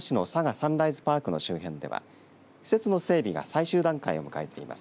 サンライズパークの周辺では施設の整備が最終段階を迎えています。